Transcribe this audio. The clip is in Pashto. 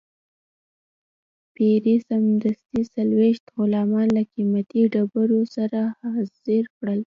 پیري سمدستي څلوېښت غلامان له قیمتي ډبرو سره حاضر کړل.